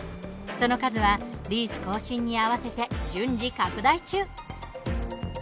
その数は、リース更新に合わせて順次拡大中。